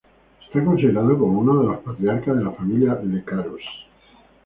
Es considerado como uno de los patriarcas de la Familia Lecaros.